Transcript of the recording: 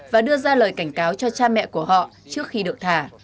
và đưa ra lời cảnh cáo cho cha mẹ của họ trước khi được thả